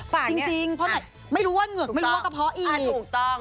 จริงเพราะไม่รู้ว่าเหงือกไม่รู้ว่ากระเพาะอีกถูกต้อง